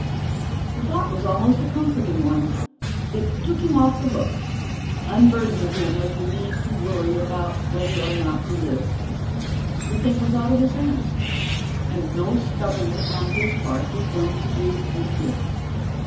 The thought was almost a comforting one. It took him off the hook, unburdened him of the need to worry about whether or not he lived. The thing was out of his hands, and no stubbornness on his part was going to do any good.